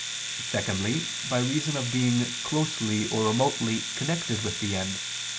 Secondly, by reason of being closely or remotely connected with the end.